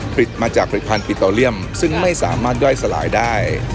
ผลิตมาจากผลิตภัณฑ์ปิโตเรียมซึ่งไม่สามารถย่อยสลายได้